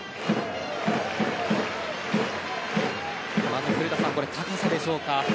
まず古田さん、高さでしょうか。